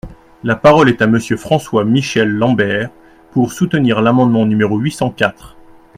La parole est à Monsieur François-Michel Lambert, pour soutenir l’amendement numéro huit cent quatre.